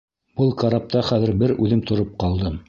Был карапта хәҙер бер үҙем тороп ҡалдым.